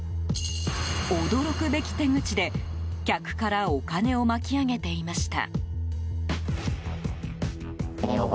驚くべき手口で、客からお金を巻き上げていました。